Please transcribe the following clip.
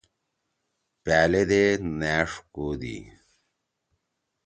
پألے دے نأݜ کودی۔